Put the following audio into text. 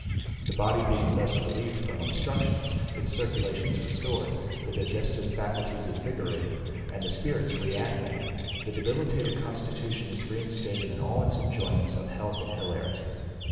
The body being thus relieved from obstructions, its circulations restored, the digestive faculties invigorated, and the spirits re animated, the debilitated constitution is reinstated in all its enjoyments of health and hilarity.